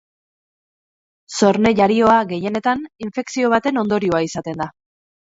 Zorne-jarioa, gehienetan, infekzio baten ondorioa izaten da.